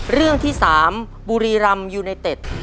เรื่องที่๓บุรีรำยูไนเต็ด